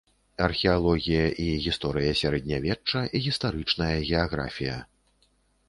Археалогія і гісторыя сярэднявечча, гістарычная геаграфія.